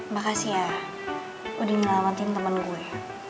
makasih ya udah nyelamatin temen gue ya